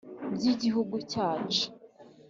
By’igihugu cyacu;